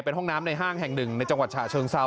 เป็นห้องน้ำในห้างแห่งหนึ่งในจังหวัดฉะเชิงเซา